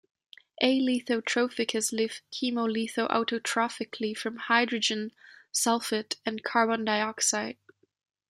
A. lithotrophicus live chemolitho-autotrophically from hydrogen, sulfate and carbon dioxide.